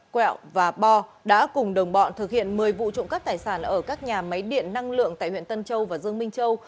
quẹo và bo đã cùng đồng bọn thực hiện một mươi vụ trộm cắp tài sản ở các nhà máy điện năng lượng tại huyện tân châu và dương minh châu